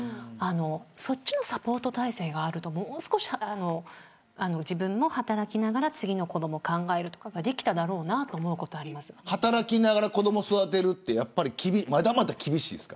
そっちのサポート体制があるともう少し自分も働きながら次の子ども考える、とかができただろうなと働きながら子どもを育てるのはまだまだ厳しいですか。